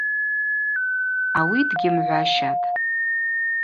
Ауи дгьымгӏващатӏ.